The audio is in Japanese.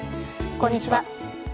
こんにちは。